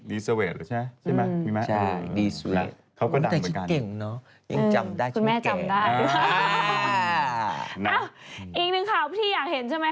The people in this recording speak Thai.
ดีซเวทหรอใช่ไหมมีแม่